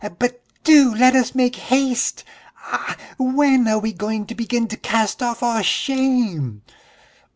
"But do let us make haste! Ah, when are we going to begin to cast off all shame!"